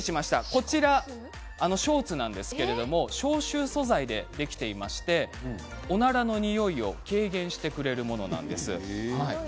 こちらショーツなんですけれど消臭素材でできていましておならのにおいを軽減してくれるものなんです。